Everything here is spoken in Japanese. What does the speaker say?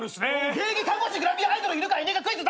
現役看護師グラビアアイドルいるかいないかクイズ出せ。